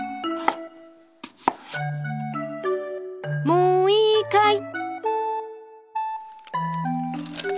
もういいかい？